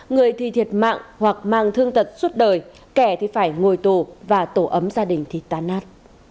người thì thiệt mạng hoặc mang thương tật suốt đời kẻ thì phải ngồi tổ và tổ ấm gia đình thì tán nát